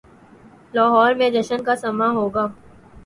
لاہور میں جشن کا سماں ہو گا۔